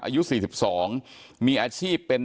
อายุ๔๒มีอาชีพเป็น